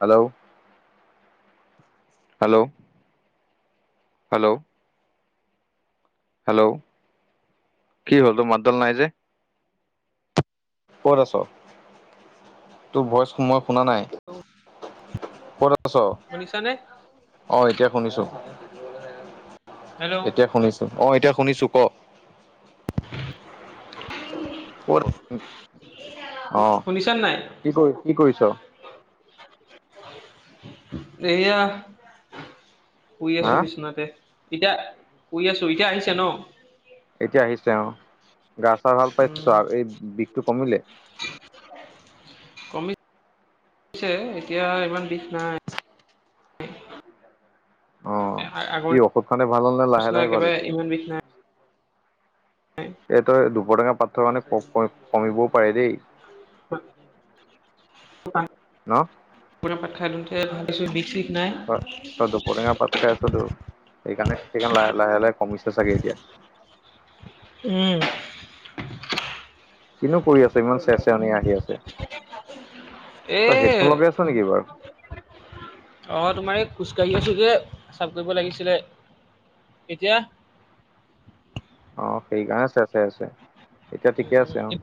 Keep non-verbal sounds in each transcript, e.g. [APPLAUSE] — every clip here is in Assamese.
হেল্ল'। হেল্ল'। হেল্ল'। হেল্ল', কি হ'ল তোৰ মাতডাল নাই যে। ক'ত আছ, তোৰ ভইচ মই শুনা নাই। হেল্ল' কত আছ। শুনিছানে? অ' এতিয়া শুনিছো, হেল্ল' এতিয়া শুনিছো অ' এতিয়া শুনিছো ক। [UNINTELLIGIBLE] কত, অ', শুনিছা কি কৰি কি কৰিছ? এইয়া শুই হা আছো বিচনাতে, এতিয়া, শুই আছো, এতিয়া আহিছে ন? এতিয়া আহিছে অ', গা চা ভাল পাইছ, উম, এই বিষটো কমিলে? কমিছে, এতিয়া ইমান বিষ নাই। অ', আগৰ কি ঔষধ খাওতে ভাল হ'ল নে লাহে নিচিনা লাহে ভাল একেবাৰে হৈছে? হয়। এই তই দুপৰ টেঙাৰ পাতটো, মানে ক কমিবও পাৰে দেই। [UNINTELLIGIBLE] ন। পৰ টেঙা পাত খাই দিওঁতে ভাবিছো বেছি। হয় তই দুপৰ টেঙা পাত খাই আছতো, সেইকাৰণে সেইকাৰণে লাহে লাহে কমিছে চাগে, এতিয়া। উম। কিনো কৰি আছ, ইমান চেৰ চেৰনি আহি আছে, এ তই হেডফোন লগাই আছ নেকি বাৰু? অ' তোমাৰ এই খোজকাঢ়ি আছোযে, পেচাব কৰিব লাগিছিলে, এতিয়া? অ' সেইকাৰণে চে চেৰাই আছে, এতিয়া ঠিকে আছে অ'।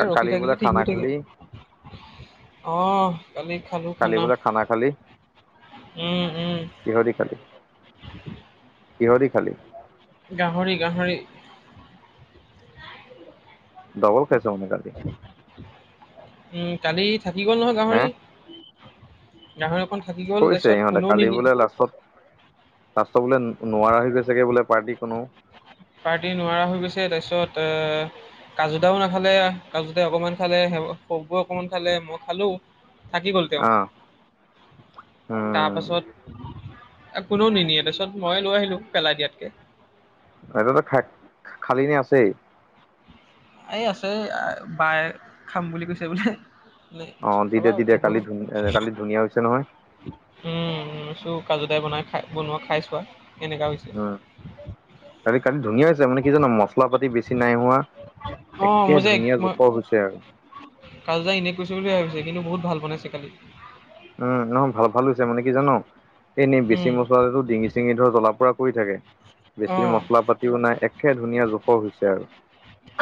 এই ৰখি কালি বোলে থাকিলোঁ সি খানা সুই খালি থাকিল। অহ' কালি খালোঁ কালি খানা, বোলে খালি উম, উম। কিহৰদি খালি, কিহৰদি খালি। গাহৰি, গাহৰি। দবল খাইছ মানে কালি। উম, কালি থাকি গ'ল নহয় হে গাহৰি। গাহৰি অকন থাকি গ'ল কৰিছে তাৰপিছত ইহঁতে কোনেও কালি নিনিয়ে। বোলে লাষ্টত লাষ্টত বোলে নোৱাৰা হৈ গৈ চাগে বোলে পাৰ্টি কোনো পাৰ্টি নোৱাৰা হৈ গৈছে তাৰপিছত এ কাজু দাও নাখালে, কাজু দাই অকণমান খালে, সৰুবাপুৱে অকণমান খালে, মই খালোঁ। থাকি গ'ল তেওঁ, অ উম তাৰপাছত এ কোনো নিনিয়ে। তাৰপিছত, মইয়ে লৈ আহিলো, পেলাই দিয়াতকে হোটেলত খ খালি নে আছেই। এই আছে পাই খাম বুলি কৈছে বোলে? নে অ' দি খাবা দে আৰু দি দে মই বোলো, কালি ধুন কালি ধুনীয়া হৈছে নহয়। উম, চু কাজুদাই বনাই খাই বনোৱা খাই চোৱা কেনেকা হৈছে। উম, কালি কালি ধুনীয়া হৈছে মানে কি জান মছলা পাতি বেছি নাই হোৱা। অ' একে মোৰ যে এক- ধুনীয়া মই জোখৰ হৈছে আৰু। কাজুদাই এনেই কৈছো বুলি ভাবিছে। কিন্তু, বহুত ভাল বনাইছে কালি। উম, নহয় ভাল ভাল হৈছে মানে, কি জানৰ এনেই বেছি উম। মছলাদিলেও ডিঙি ডিঙি ধৰ জ্বলা পুৰা কৰি থাকে। বেছি অ'। মছলা পাতিও নাই একে ধুনীয়া জোখৰ হৈছে আৰু।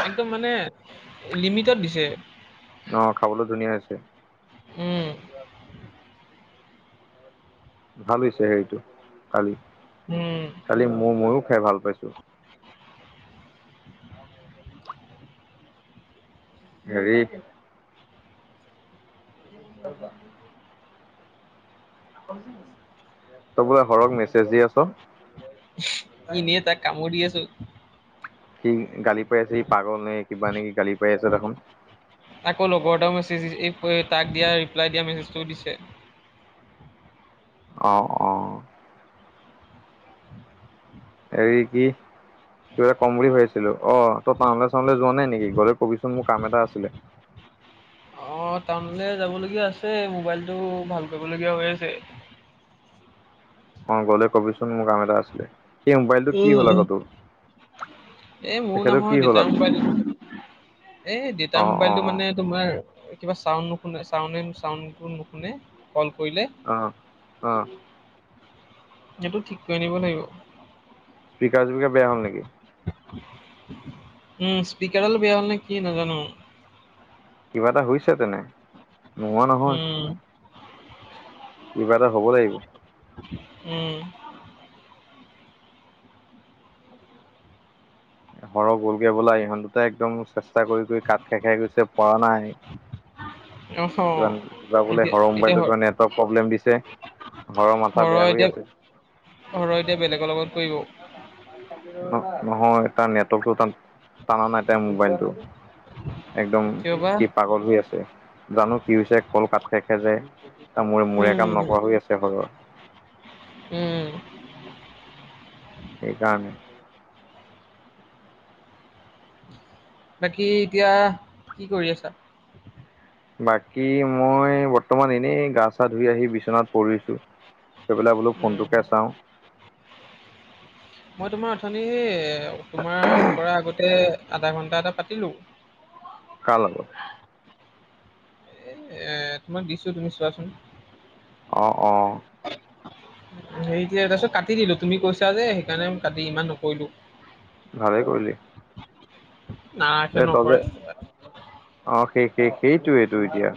একদম মানে লিমিটত দিছে। অ' খাবলৈ ধুনীয়া হৈছে। উম। ভাল হৈছে। সেইটো, কালি। উম। কালি মোৰ ময়ো খাই ভাল পাইছো। হেৰি তাৰপৰা তই বোলে হৰক মেছেজ দি আছ। এনেই তাক কামোৰ দি আছো। সি গালি পাৰি আছে। সি পাগল নে, কিবা নেকি গালি পাৰি আছে দেখোন। আকৌ লগৰ এটাও মেছেজ দি তাক দিয়া ৰিপ্লাই দিয়া মেছেজটোও দিছে। অ' অ' হেৰি কি কিবা এটা কম বুলি ভাবিছিলো। অ' তই টাউলৈ চাউলৈ যোৱা নাই নেকি, গলে কবিচোন, মোৰ কাম এটা আছিলে। অ' টাউনলে যাবলগীয়া আছে, মোবাইল টো ভাল কৰিবলগীয়া হৈ আছে। অ' গ'লে কবিচোন মোৰ কাম এটা আছিলে, এই মোবাইলটো কি হ'ল আকৌ তোৰ? এ মোৰ তেখেতৰ কি নহয় হ'ল দেতাৰ আকৌ মোবাইলটো, এ অ দেতাৰ অ মোবাইলটো মানে তোমাৰ কিবা চাউ নুশুনে চা চাউনটো নুশুনে। ক'ল কৰিলে অ অ সেইটো ঠিক কৰি নিব লাগিব। স্পিকাৰ যোকে বয়া হ'ল নেকি? উম, স্পিকাৰডাল বেয়া হ'ল নে কি নাজানো। কিবা এটা হৈছে, তেনে নোহোৱা নহয়। উম, কিবা এটা হব লাগিব। উম। হৰহ গ'লগে হবলা, ইহত দুতা একদম চেষ্টা কৰি কৰি কাট খাই খাই গৈছে পৰা নাই। উ [UNINTELLIGIBLE] কিবা কিবা বোলে হৰৰ হ মোবাইলটো কিবা নেটৱৰ্ক প্ৰব্লেম দিছে। হৰৰ মাথা বেয়া হৈ আছে। অ'! ৰোহিতে বেলেগৰ লগত বহিব। নহয়, নহয়। তাৰ, নেটৱৰ্কটো টান, টানা নাই, তাই মোবাইলটো। একদম, কিয় বা সি পাগল হৈ আছে। জানোঁ! কি হৈছে, ক'ল কাট খাই, খাই যায়। তাৰ মূৰে, মূৰে কাম উম নকৰা হৈ আছে, [UNINTELLIGIBLE] উম! সেইকাৰনে। বাকী, এতিয়া কি কৰি আছা? বাকী, মই বৰ্তমান এনেই, গা-চা ধুই আহি, বিচনাত পৰিছোঁ। গৈ পেলাই বোলো, উম ফোনটোকে চাওঁ। মই তোমাৰ, ওঠনি তোমাৰ, কৰা আগতে, আধা ঘন্টা এটা পাতিলোঁ। কাৰ লগত? এ, মই দিছোঁ, তুমি চোৱাচোন? অ' অ'! [UNINTELLIGIBLE] সেই যে, তাৰপিছত কাটি দিলোঁ, তুমি কৈছা যে, সেইকাৰণে কাটি, ইমান নকৰিলোঁ। ভালে কৰিলি! [UNINTELLIGIBLE] অ'! সেই সেই, সেইটোৱেতো এতিয়া।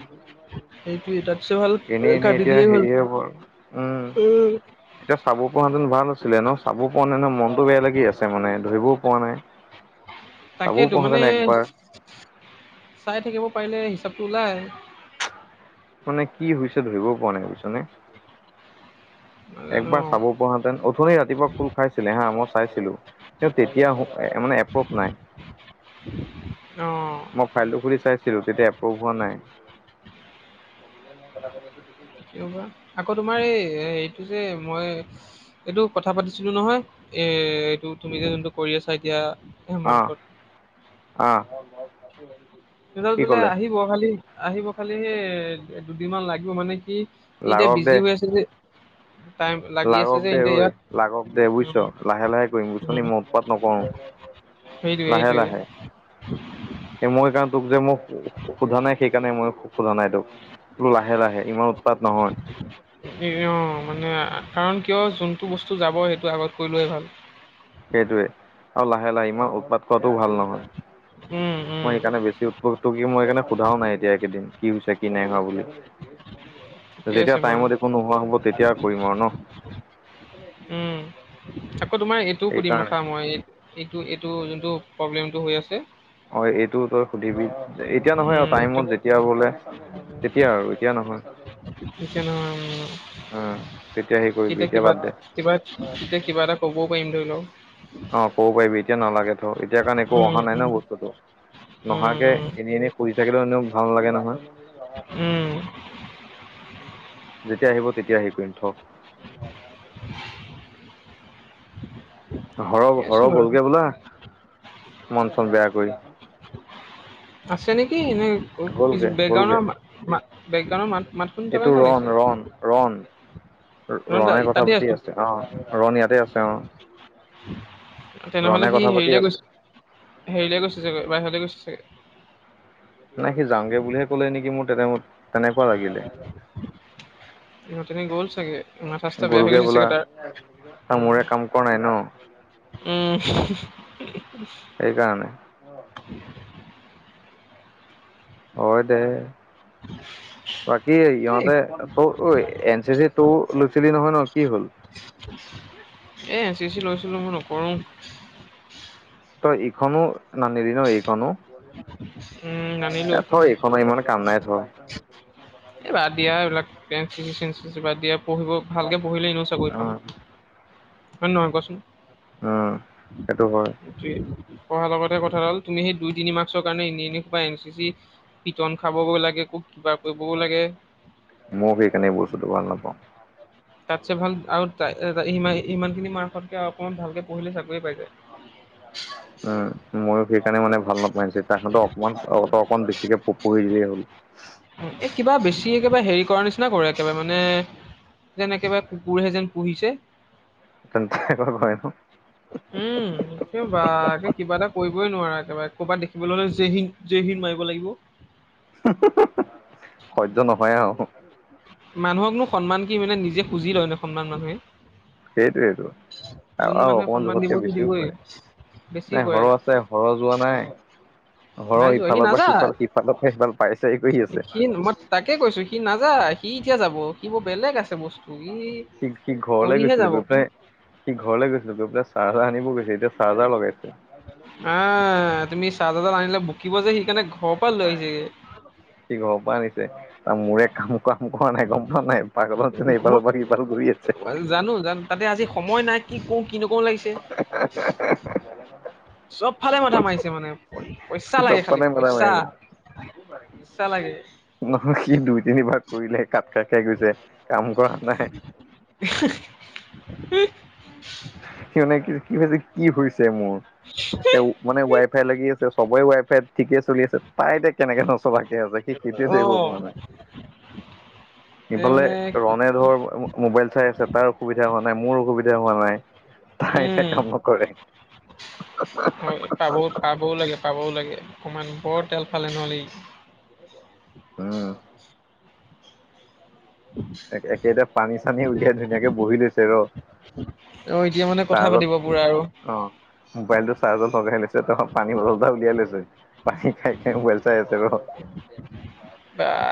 সেইটোৱে, [UNINTELLIGIBLE] ভাল এনেই, এনেই কাটি এতিয়া, দিয়ে হ'ল সেইয়ে হ'ব আৰু। উম! এতিয়া, চাব পৰা হেঁতেন ভাল আছিলে, ন'! চাব পোৱা নাই ন'! মনতটো বেয়া লাগি আছে, মানে। ধৰিবও পোৱা নাই। চাবও তাকেইতো পোৱা মানে হেতেন একবাৰ। চাই থাকিব পাৰিলে, হিচাপটো ওলায়। মানে, কি হৈছে ধৰিব পৰা নাই, বুজিছানে! নাজানো একবাৰ চাব পৰা হ'লে! ওঠনি ৰাতিপুৱা, খোল খাইছিলে হা! মই চাইছিলোঁ। কিন্তু, তেতিয়া মানে, এপ্ৰভ নাই। অ'! মই ফাইলটো খুলি চাইছিলোঁ! তেতিয়া, এপ্ৰভ হোৱা নাই। [UNINTELLIGIBLE] কি ক'বা? আকৌ তোমাৰ এই, সেইটো যে, মই এইটো কথা পাতিছিলোঁ, নহয়! এ, এইটো তুমি যে, যোনটো কৰি আছা, এতিয়া। অ'! হেমন্তত অ'! [UNINTELLIGIBLE] কি বোলে, ক'লে আহিব। খালি, আহিব খালি, সেই দুদিনমান লাগিব মানে, কি এতিয়া, লাগক বিজি দে হৈ আছে যে। টাইম, লাগি আছে লাগক যে, দে ঐ [UNINTELLIGIBLE] ইয়াত। লাগক দে বুজিছ উম, লাহে লাহে কৰিম বুজিছ নি উম। মই উৎপাত নকৰো সেইটোৱে, লাহে সেইটোৱে। লাহে মই [UNINTELLIGIBLE] যে মোক, সোধা নাই। সেইকাৰণে, মই সোধা নাই তোক। লাহে -লাহে, ইমান উৎপাত নহয়। হেৰি অ'! মানে, কাৰণ কিয়? যোনটো বস্তু যাব, সেইটো আগত কৰি লোৱা ভাল। সেইটোৱে! আৰু লাহে-লাহে, ইমান উৎপাত কৰাটোও ভাল নহয়। উম, উম। মই সেইকাৰণে, বেছি [UNINTELLIGIBLE] মই সেইকাৰণে, সোধাও নাই, এতিয়া একেদিন। কি হৈছে, কি নাই হোৱা বুলি। ঠিকে আছে যেতিয়া, বাৰু টাইমত একো নোহোৱা হ'ব, তেতিয়া কৰিম আৰু ন'! উম, আকৌ তোমাৰ, এইটো সুধিম সেইকাৰণে ৰখা, মই! এইটো-এইটো, যোনটো প্ৰব্লেমটো হৈ আছে। অ'! এইটো তই সুধিবি। এতিয়া নহয় আৰু উম, টাইমত তে- যে। এতিয়া বোলে, তেতিয়া আৰু এতিয়া, নহয়। এতিয়া নহয়। উম, উম। উম, তেতিয়া হেৰি কৰিবি তেতিয়া এতিয়া কিবা, বাদ দে। কিবা, তেতিয়া কিবা এটা ক'বও পাৰিম, ধৰি লওঁক। অ'! ক'ব পাৰিবি। এতিয়া নালাগে থ'। এতিয়া, কাৰণ একো উম, অহা নাই উম, ন' বস্তুটো। উম, নহাকে, উম, এনেই-এনেই কৰি থাকিলেও, এনেও ভাল নালাগে নহয়। উম। যেতিয়া আহিব, তেতিয়া আহি কৰিম থ। উ ৰজানে তেন্ত হৰহ ঠিকে আছে হৰহ বাৰু। গলগে বোলা, মন চন বেয়া কৰি। আছে নেকি, এনেই গ'লগে গ'লগে বেকগ্ৰাউণ্ডৰ মা, বেকগ্ৰাউণ্ডৰ মাত মাত শুনি থকা এইটো নিচিনা ৰণ, লাগিছে। ৰণ, ৰণ, ৰন দা ৰণে কথা তাতে আছো পাতি আছে, অ'। ৰণি ইয়াতে আছে অ'। তেনেহলে ৰণে সি কথা পাতি হেৰিলৈ আছে। গৈছে, হেৰিলে গৈছে চাগৈ বাহিৰলৈ গৈছে চাগে। নাই সি যাওঁগে বুলিহে কলে নেকি মোৰ তোইমত তেনেকুৱা লাগিলে। অ' তেনে গ'ল চাগে। মাথা চাথা বেয়া হৈ গ'লগে গৈছে বোলা চাগে তাৰ, উম। মোৰে কাম কৰা নাই ন উম। সেইকাৰণে। হয় দে। বাকী এই ইহঁতে ত এন চি চি ত লৈছিলি নহয় ন, কি হ'ল? এ এন চি চি লৈছিলো, মই নকৰো। তই ইখনো নানেদি, ন এইখনো। উম নানিলোঁ থ এইখন এইখনৰ ইমান কাম নাই থোৰ। এই বাদ দিয়া, এইবিলাক দিয়া পঢ়িব ভালকে পঢ়িলে এনেও চাকৰি পাম। উম হয় নহয় কোৱাচোন। অ', সেইটো হয়। পঢ়াৰ লগতহে কথা হ'ল, তুমি সেই দুই তিনি মাৰ্কৰ কাৰণে ইণ্ং বা এন চি চি পিতন খাবগেও লাগে, ক কিবা কৰিবও লাগে। মোৰ সেইকাৰণেই বস্তুটো ভাল নাপাওঁ। তাতছে ভাল আৰু ত ই ইমানখিনি মাৰ্কসতকৈ আৰু অকণমান ভালকৈ পঢ়িলে চাকৰি পাই যায়। উম, ময়ো সেইকাৰণে মানে ভাল নাপাইছে তাহঁতৰ অকণমান অকণ বেছিকে প পুহি দিলেই হ'ল। এই কিবা বেছি একেবাৰে হেৰি কৰাৰ নিচিনা কৰে একেবাৰে মানে যেন একেবাৰে কুকুৰহে যেন পুহিছে। [UNINTELLIGIBLE] উম, সেই বাে কিবা এটা কৰিবই নোৱাৰা একেবাৰে ক'বাত দেখিবলৈ হ'লে জেহ জেহ হিন্দ মাৰিব লাগিব। সহ্্য নহয় আৰু। মানুহকনো সন্মান কি মানে নিজে খুজি লয় নে সন্মান মানুহে। সেইটোৱেটো। আৰু যোন আৰু মানুহে অকমান সন্মান দিব জোখতকে সি বেছিও দিবই কৰে, বেছি নাই কৰে সৰহ আছে, সৰহ যোৱা নাই। নাই ঘৰৰ যোৱা সি ইফালৰ পৰা নাযায়। সিফাল, সিফালৰ পৰা সিফাল পাই চাই কৰি আছে। সি মই তাকে কৈছোঁ, সি নাযায়, সি এতিয়া যাব, সি বোৰ বেলেগ আছে বস্তু। ই সি ঘৰলৈ কৰিহে গৈছিলে, যাব গৈ পাই সি ঘৰলৈ গৈছিলো, গৈ পেলাই চাৰ্জাৰ আনিব গৈছিল, এতিয়া চাৰ্জাৰ লগাইছে। আহ, তুমি চাৰ্জাৰডাল আনিলে বুকিব যে, সেইকাৰণে ঘৰৰ পৰা লৈ আহিছেগে। সি ঘৰৰ পৰা আনিছে, ত মোৰে কাম কাম কৰা নাই, গম পোৱা নাই, পাকঘৰ ন পালৰ পাকী পাল ঘূৰি আছে। আৰু জানো জানো। তাতে আজি সময় নাই কি কৰো কি নকৰো লাগিছে। [UNINTELLIGIBLE] চব ফালে মাথা মাৰিছে মানে, সি পইচা চব লাগে ফালে খালি মাথা মাৰি পইচা। আছে পইচা লাগে। নহয় সি দুই তিনিবাৰ কৰিলে কাত ক খে গৈছে, কাম কৰা নাই। [UNINTELLIGIBLE] সি মানে কি কি হৈছে কি হৈছে মোৰ, এ, মানে ৱাইফাই লাগি আছে, চবেই ৱাই ফাইত ঠিকে চলি আছে, তাই এতিয়া কেনেকে নচলাকে আছে সি সেইটোৱে অ ধৰিব পৰা নাই। এই ইফালে মানে ৰনে ধৰ মোবাইল চাই আছে, তাৰ অসুবিধা হোৱা নাই, মোৰ অসুবিধা হোৱা নাই। এতিয়া উম কাম নকৰে। পাবওঁ পাবওঁ লাগে, পাবওঁ লাগে অকণমান, বৰ তেল ফালে নহ'লে ই। সেইটোৱে। উম। এ, এতিয়া পানী চানী উলিয়াই ধুনীয়াকে বহি লৈছে ৰ'। অ' এতিয়া মানে কথা চাৰ্জত পাতিব পুৰা আৰু। অ' মোবাইলটো চাৰ্জত লগাই লৈছে, পানী বটল এটা উলিয়াই লৈছে। পানী খাই খাই মোবাইল চাই আছে ৰ'।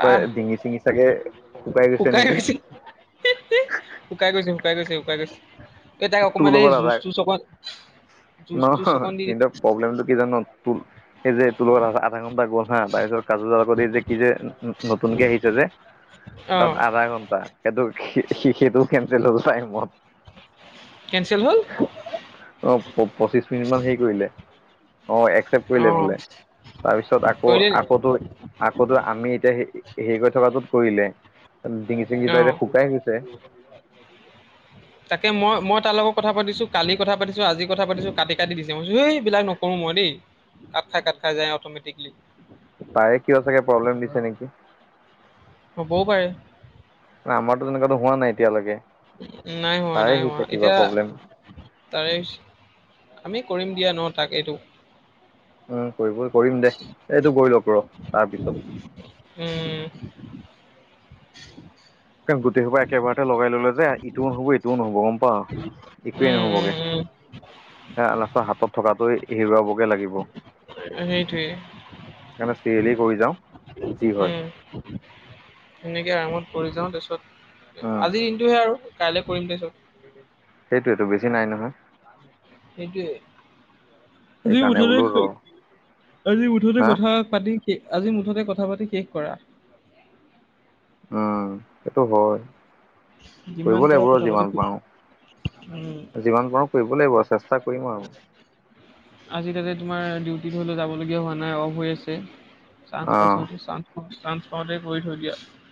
পায় ডিঙি চিঙি চাগে শুকাই শুকাই গৈছে, শুকাই গৈছে, শুকাই গৈছে, শুকাই গৈছে। এই তাইক তোৰ অকমান এই লগত আধা জুজ তুজ অকন নহয় সিহঁতৰ প্ৰব্লেমটো কি জান'? তোৰ এই যে তোৰ লগত আধা আধা ঘণ্টা গল হা, তাৰপিছত কাজুৰ আ, লগত এই যে কি যে নতুনকে আহিছে যে অ তাত আধা ঘন্টা, সেইটো সি-সি কেনচেল হ'ল টাইমত। কেঞ্চেল হ'ল? পঁচিছ মিনিট মান হেৰি কৰিলে, অ' এক্সেপ্ত অ কৰিলে বোলে, তাৰপিছত আকৌ, কৰিলে নি আকৌ তোৰ আকৌ আমি এতিয়া হেৰি কৰি থকাটোত কৰিলে, ডিঙি চিঙিটো অ এতিয়া শুকাই গৈছে। তাকে মই মই তাৰ লগত কথা পাতিছো, কালি কথা পাতিছো, আজি কথা পাতিছো, কাটি কাটি দিছে মই কৈছোঁ দেই এইবিলাক নকৰো মই দেই। কাট খাই কাট খাই যায় অ'টমেটিকলি। তাৰে কিয় চাগে প্ৰব্লেম দিছে নেকি। হ'বওঁ পাৰে। আমাৰতো তেনেকুৱাতো হোৱা নাই এতিয়ালৈকে। নাই হোৱা, তাৰে নাই হোৱা। হৈছে কিবা এতিয়া প্ৰব্লেম তাৰে, আমি কৰিম দিয়া ন' তাক এইটো? উম, কৰিব কৰিম দে, এইটো গৈ লওঁক ৰ' তাৰপিছত। উম। কেও গোটেই সোপা একেবাৰতে লগাই ল'লে যে ইটোওঁ নহব, এইটোওঁ নহ'ব, গম পাও? একোৱেই উম উম নহবগে, উম লাষ্টত হাতত থকাটোয়ে হেৰুৱাবগে লাগিব। সেইটোৱেই। সেইকাৰণে চিৰিলি কৰি যাওঁ। যি হয় উম, সেনেকে আৰামত পৰি যাওঁ তাৰপিছত উম আজিৰ দিনটোহে আৰু কাইলে কৰিম দে চব। সেইটোয়েতো বেছি নাই নহয়। [INAUDIBLE] সেইটোৱে, আজি সেইকাৰণে বোলো ৰ মুঠতে, আজি মুঠতে হা কথা পাতি আজি মুঠতে কথা পাতি শেষ কৰা। উম, সেইটো হয়। কৰিব যিমান পাৰে লাগিব কথা পাতি যিমান উম পাৰো। যিমান পাৰো কৰিব লাগিব আৰু চেষ্টা কৰিম আৰু। আজি তাতে তোমাৰ ডিউটি ধৰিলেও যাবলগীয়া হোৱা নাই, অ'ফ হৈ আছে। চাঞ্চ পাইছোঁ অ চাঞ্চ পাওঁতে কৰি থৈ দিয়া।